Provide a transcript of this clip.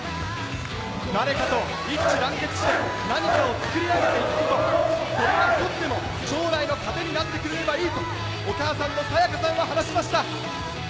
誰かと一致団結して何かを作り上げていくこと、少しでも将来の糧になってくれればいいと、お母さんの清香さんは話しました。